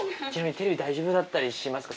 テレビ大丈夫だったりしますか？